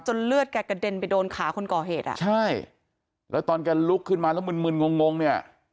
เลือดแกกระเด็นไปโดนขาคนก่อเหตุอ่ะใช่แล้วตอนแกลุกขึ้นมาแล้วมึนมึนงงงเนี่ย